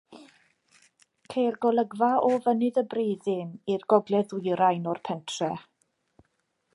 Ceir golygfa o fynydd y Breiddin i'r gogledd-ddwyrain o'r pentref.